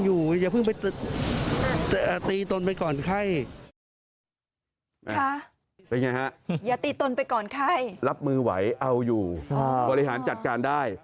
ซึ่งมันก็ได้เรียกแบบนี้